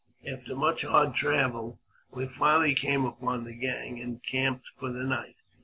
After much hard travel, we finally came upon the gang, encamped for the night.